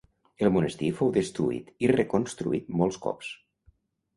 El monestir fou destruït i reconstruït molts cops.